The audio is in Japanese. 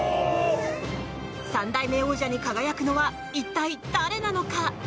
３代目王者に輝くのは一体、誰なのか！？